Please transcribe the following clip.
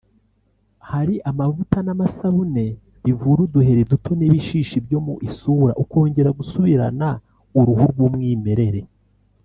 Hari amavuta n’amasabune bivura uduheri duto n’ibishishi byo mu isura ukongera gusubirana uruhu rw’umwimerere